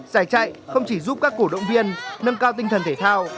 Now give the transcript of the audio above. giải chạy không chỉ giúp các cổ động viên nâng cao tinh thần thể thao